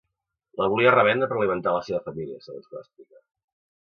La volia revendre per alimentar a la seva família, segons que va explicar.